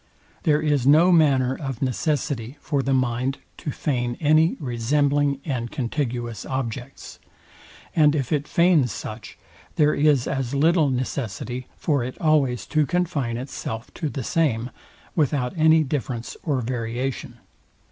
There is no manner of necessity for the mind to feign any resembling and contiguous objects; and if it feigns such, there is as little necessity for it always to confine itself to the same, without any difference or variation.